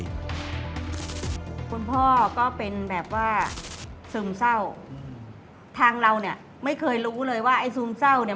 คุณพ่อก็เป็นแบบว่าซึมเศร้าทางเราเนี่ยไม่เคยรู้เลยว่าไอ้ซึมเศร้าเนี่ย